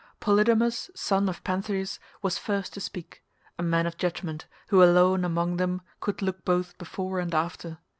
Polydamas son of Panthous was first to speak, a man of judgement, who alone among them could look both before and after.